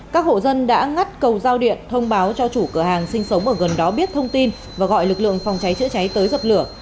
các hộ dân đã ngắt cầu giao điện thông báo cho chủ cửa hàng sinh sống ở gần đó biết thông tin và gọi lực lượng phòng cháy chữa cháy tới dập lửa